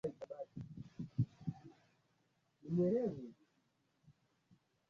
na Wasasanidi waliendelea kufufua milki ya Uajemi tena na tena